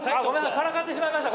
からかってしまいました！